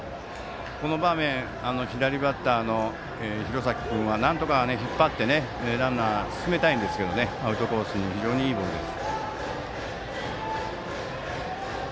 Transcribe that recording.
この場面、左バッターの廣崎君はなんとか引っ張ってランナー進めたいんですけどアウトコースに非常にいいボールです。